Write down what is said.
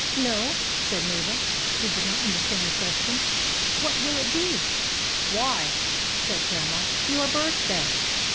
" No," said Mabel, who did not understand the question. " What will it be ?"" Why," said Grandma, " your birthday."